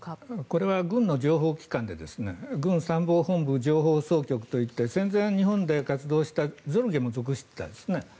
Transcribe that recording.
これは軍の情報機関で軍参謀本部情報総局といって戦前、日本で活動したゾルゲも属していたんですね。